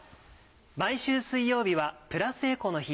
毎週水曜日はプラスエコの日。